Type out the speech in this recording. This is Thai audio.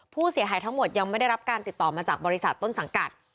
ผู้เสียหายทั้งหมดยังไม่ได้รับการติดต่อมาจากบริษัทต้นสังกัด